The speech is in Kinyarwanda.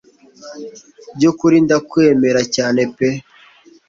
byukuri ndawemera cyane pe